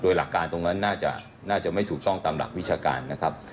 โดยหลักการตรงนั้นน่าจะไม่ถูกต้องตามหลักวิชาการนะครับ